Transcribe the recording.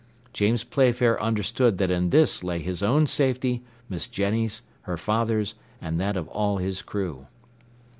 James Playfair understood that in this lay his own safety, Miss Jenny's, her father's, and that of all his crew.